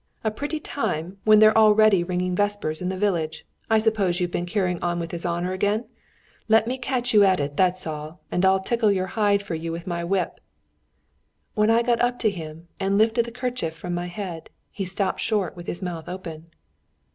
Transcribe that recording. A pretty time when they're already ringing vespers in the village. I suppose you've been carrying on with his honour again? Let me catch you at it, that's all, and I'll tickle your hide for you with my whip.' When I got up to him and lifted the kerchief from my head, he stopped short with his mouth open.